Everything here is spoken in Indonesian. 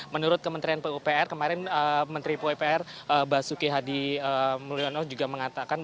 menurut kementerian pupr kemarin menteri pupr basuki hadi mulyono juga mengatakan